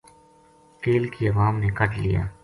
کیل کی عوام نے کڈھ لیا